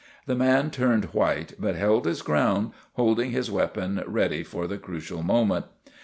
The man turned white but held his ground, holding his weapon ready for the crucial moment.